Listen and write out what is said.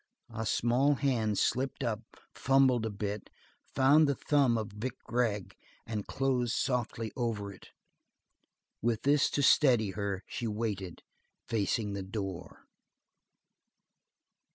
A small hand slipped up, fumbled a bit, found the thumb of Vic Gregg, and closed softly over it. With this to steady her, she waited, facing the door.